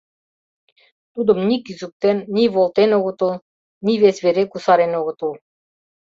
Тудым ни кӱзыктен, ни волтен огытыл, ни вес вере кусарен огыт ул.